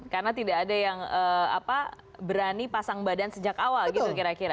karena tidak ada yang berani pasang badan sejak awal gitu kira kira